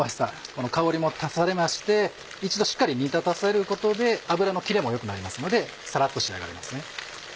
この香りも足されまして一度しっかり煮立たせることで油のキレも良くなりますのでサラっと仕上がります。